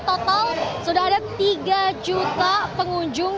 total sudah ada tiga juta pengunjung